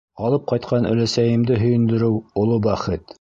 Арып ҡайтҡан өләсәйемде һөйөндөрөү — оло бәхет.